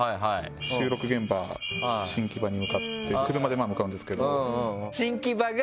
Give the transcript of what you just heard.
収録現場新木場に向かって車で向かうんですけど。